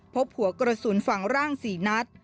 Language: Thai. พบหัวกระสุนฝังร่างศรีนัท